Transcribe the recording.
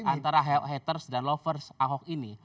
antara haters dan lovers ahok ini